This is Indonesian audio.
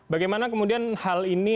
bagaimana kemudian hal ini